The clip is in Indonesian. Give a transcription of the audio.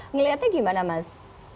ngeliatnya gimana mas